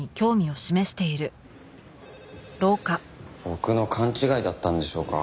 僕の勘違いだったんでしょうか？